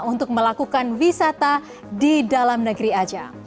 untuk melakukan wisata di dalam negeri saja